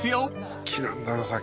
好きなんだな酒。